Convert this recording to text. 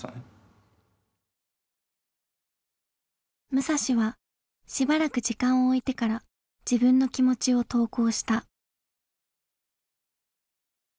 武蔵はしばらく時間を置いてから自分の気持ちを投稿した。